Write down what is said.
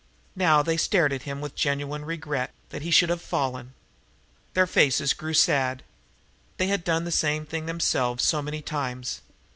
Now they stared at him with genuine regret that he should have fallen. Their faces grew sad. They had done the same thing themselves so many times.